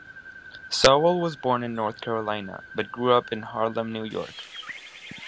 Sowell was born in North Carolina, but grew up in Harlem, New York.